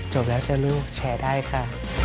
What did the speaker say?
จบแล้วเจอลูกแชร์ได้ค่ะ